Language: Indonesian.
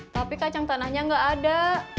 tapi kacang tanahnya nggak ada